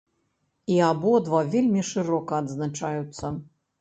І абодва вельмі шырока адзначаюцца.